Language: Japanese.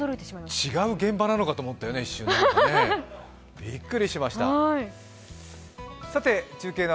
違う現場なのかと思ったよね、一瞬、ビックリしました。